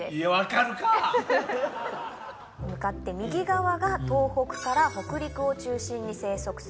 向かって右側が東北から北陸を中心に生息するキタノメダカ。